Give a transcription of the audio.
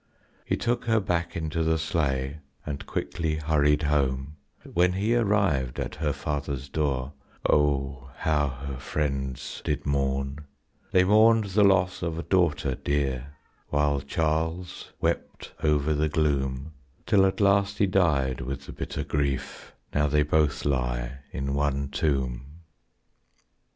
He took her back into the sleigh and quickly hurried home; When he arrived at her father's door, oh, how her friends did mourn; They mourned the loss of a daughter dear, while Charles wept over the gloom, Till at last he died with the bitter grief, now they both lie in one tomb.